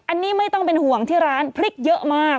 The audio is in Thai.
อันนี้ไม่ต้องเป็นห่วงที่ร้านพริกเยอะมาก